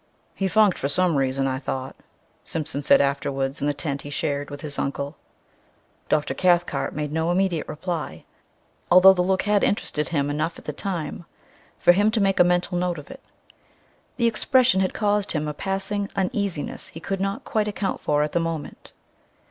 "He funked for some reason, I thought," Simpson said afterwards in the tent he shared with his uncle. Dr. Cathcart made no immediate reply, although the look had interested him enough at the time for him to make a mental note of it. The expression had caused him a passing uneasiness he could not quite account for at the moment.